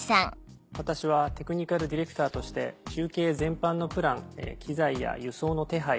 私はテクニカルディレクターとして中継全般のプラン機材や輸送の手配